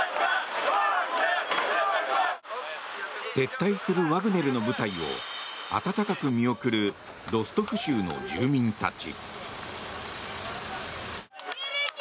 撤退するワグネルの部隊を温かく見送るロストフ州の住民たち。